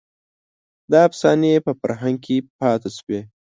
دا افسانې په فرهنګ کې پاتې شوې.